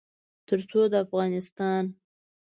تر څو د افغانستان